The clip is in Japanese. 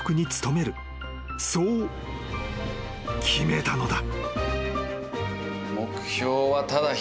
［そう決めたのだ］